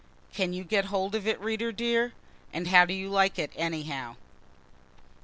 Can you get hold of it, reader dear? and how do you like it anyhow?